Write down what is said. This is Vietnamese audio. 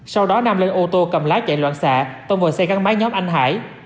sau đó nam lên ô tô cầm lái chạy loạn xạ tông vào xe gắn máy nhóm anh hải